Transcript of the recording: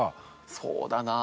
そうだな